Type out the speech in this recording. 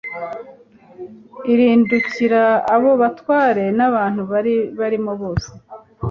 iridukira abo batware n abantu bari barimo bose